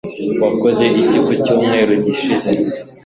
wakoze iki ku cyumweru gishize